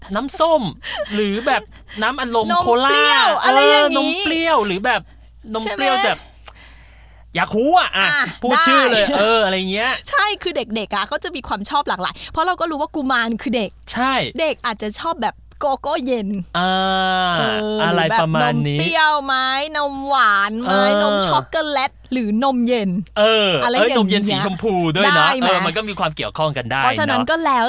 น้ำส้มหรือแบบน้ำอารมณ์โคล่าเออน้ำเปรี้ยวหรือแบบน้ำเปรี้ยวแบบอยากหัวอ่ะอ่ะพูดชื่อเลยเอออะไรเงี้ยใช่คือเด็กเด็กอ่ะเขาจะมีความชอบหลากหลายเพราะเราก็รู้ว่ากุมารคือเด็กใช่เด็กอาจจะชอบแบบโกโกเย็นอ่าอะไรประมาณนี้แบบน้ำเปรี้ยวไหมน้ำหวานไหมน้ำช็อกโกแลตหรือน้ำเย็น